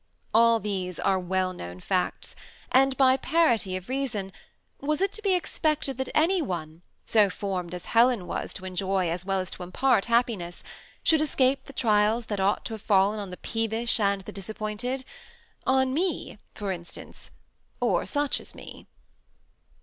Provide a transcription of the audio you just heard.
All these are well known facts, and, by parity of reason, was it to be expected that any 'one so formed as Helen was to enjoy as well as to im part happiness, should escape the trials that ought to have fallen on the peevish and the. disappointed — on me, for instance, or such as me